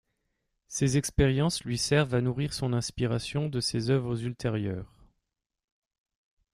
Ces expériences lui servent à nourrir son inspiration de ses œuvres ultérieures.